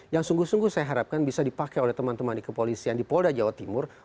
yang sungguh sungguh saya harapkan bisa dipakai oleh teman teman di kepolisian di polda jawa timur